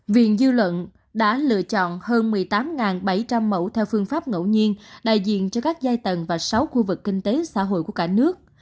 viện dư luận đã lựa chọn hơn một mươi tám bảy trăm linh mẫu theo phương pháp ngẫu nhiên đại diện cho các giai tầng và sáu khu vực kinh tế xã hội của cả nước